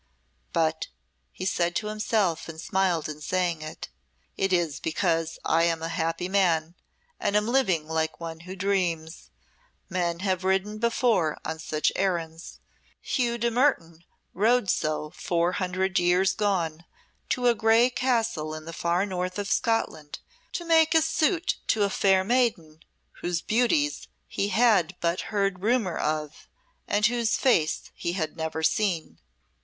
"But," he said to himself, and smiled in saying it, "it is because I am a happy man, and am living like one who dreams. Men have ridden before on such errands. Hugh de Mertoun rode so four hundred years gone, to a grey castle in the far north of Scotland, to make his suit to a fair maiden whose beauties he had but heard rumour of and whose face he had never seen.